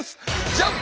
じゃん！